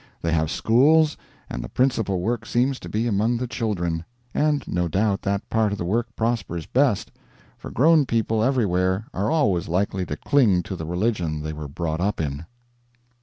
They have schools, and the principal work seems to be among the children. And no doubt that part of the work prospers best, for grown people everywhere are always likely to cling to the religion they were brought up in.